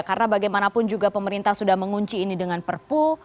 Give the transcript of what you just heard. karena bagaimanapun juga pemerintah sudah mengunci ini dengan perpu